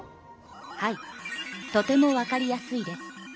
はいとてもわかりやすいです。